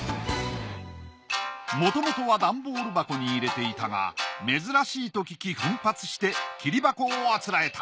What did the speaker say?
もともとはダンボール箱に入れていたが珍しいと聞き奮発して桐箱をあつらえた。